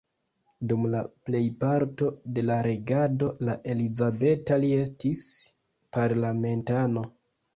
Dum la plejparto de la regado de Elizabeta li estis parlamentano.